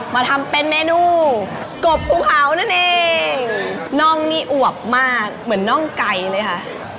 มาทำเป็นเมนูกบภูเขานั่นเองน่องนี่อวบมากเหมือนน่องไก่เลยค่ะ